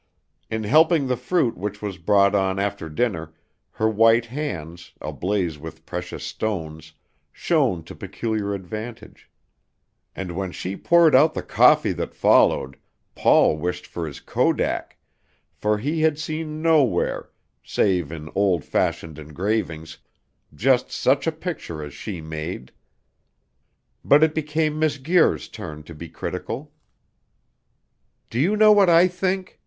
In helping the fruit which was brought on after dinner, her white hands, ablaze with precious stones, shone to peculiar advantage; and when she poured out the coffee that followed, Paul wished for his kodak, for he had seen nowhere, save in old fashioned engravings, just such a picture as she made. But it became Miss Guir's turn to be critical. "Do you know what I think?"